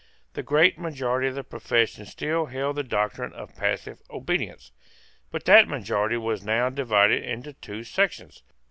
The great majority of the profession still held the doctrine of passive obedience: but that majority was now divided into two sections.